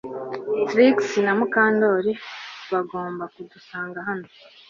Trix na Mukandoli bagombaga kudusanga hano